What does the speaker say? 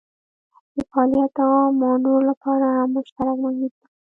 د فعالیت او مانور لپاره هم مشترک محیط ولري.